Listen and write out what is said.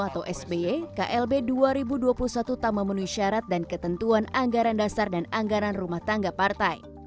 atau sby klb dua ribu dua puluh satu tak memenuhi syarat dan ketentuan anggaran dasar dan anggaran rumah tangga partai